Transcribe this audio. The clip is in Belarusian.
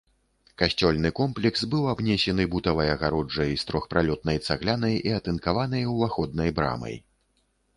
Касцёльны комплекс быў абнесены бутавай агароджай з трохпралётнай цаглянай і атынкаванай уваходнай брамай.